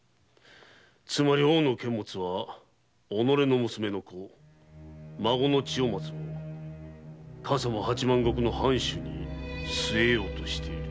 つまり大野監物は娘の子・孫の千代松を笠間八万石の藩主に据えようとしている。